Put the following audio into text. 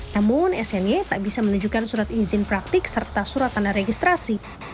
namun sni tak bisa menunjukkan surat izin praktik serta surat tanda registrasi